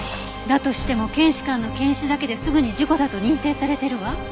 だとしても検視官の検視だけですぐに事故だと認定されてるわ。